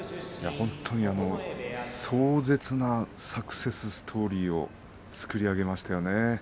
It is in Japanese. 壮絶なサクセスストーリーを作り上げましたよね。